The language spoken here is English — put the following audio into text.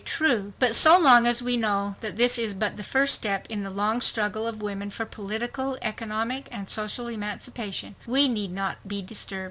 True! But so long as we know that this is but the first step in the long struggle of women for political, economic and social emancipation, we need not be disturbed.